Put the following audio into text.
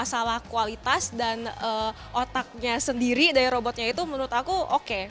jadi kalau masalah kualitas dan otaknya sendiri dari robotnya itu menurut aku oke